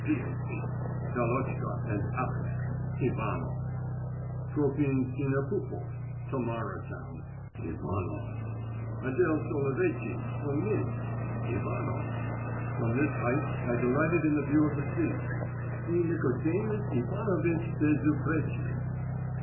D. ... P.A.P.... Talotchka and Achmet." "Ivanof." "Trophim Sinepupof. Samara Town." "Ivanof." "Adel Soloveitchik from Minsk." "Ivanof." "From this height I delighted in the view of the sea. C. NICODEMUS IVANOVITCH BEZUPRECHNY."